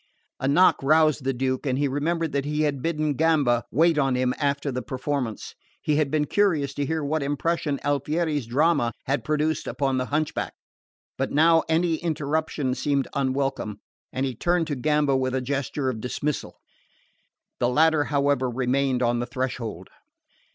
A knock roused the Duke and he remembered that he had bidden Gamba wait on him after the performance. He had been curious to hear what impression Alfieri's drama had produced upon the hunchback; but now any interruption seemed unwelcome, and he turned to Gamba with a gesture of dismissal. The latter however remained on the threshold.